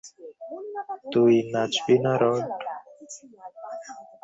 তুই নাচবি না, রড?